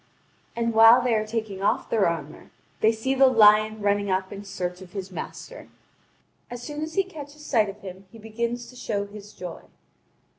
And while they are taking off their armour, they see the lion running up in search of his master. As soon as he catches sight of him, he begins to show his joy.